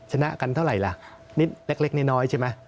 ชนะกันเท่าไหร่ล่ะนิดเล็กน้อยใช่ไหม